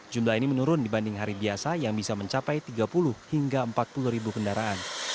jumlah ini menurun dibanding hari biasa yang bisa mencapai tiga puluh hingga empat puluh ribu kendaraan